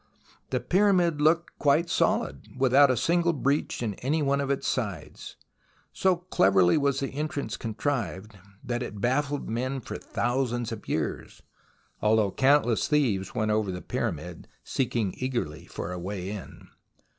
The Pyramid looked quite solid, without a single breach in any one of its sides. So cleverly was the entrance contrived that it baffled men for thousands of years, although countless thieves went over the Pyramid seeking eagerly for a way in.